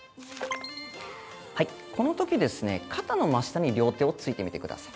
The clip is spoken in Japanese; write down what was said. このとき、肩の真下に両手をついてみてください。